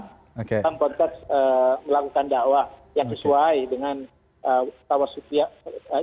dalam konteks melakukan dakwah yang sesuai dengan tawas sutyah